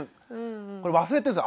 これ忘れてるんです。